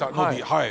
はい。